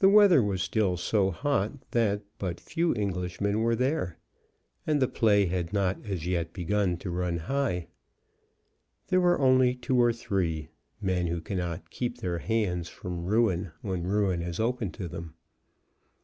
The weather was still so hot that but few Englishmen were there, and the play had not as yet begun to run high. There were only two or three, men who cannot keep their hands from ruin when ruin is open to them.